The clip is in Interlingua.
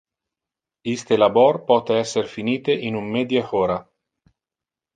Iste labor pote esser finite in un medie hora.